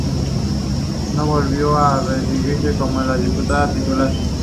No volvió a reelegirse como diputado titular.